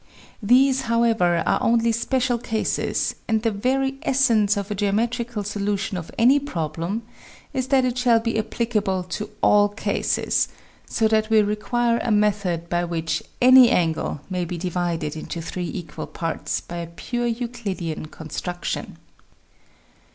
These however are only special cases, and the very essence of a geometrical solution of any problem is that it shall be applicable to all cases so that we require a method by which any angle may be divided into three equal parts by a pure Euclidian construction.